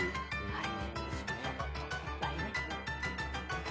はい。